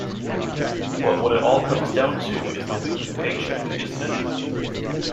But what it all comes down to is the weekly paycheck, isn't it?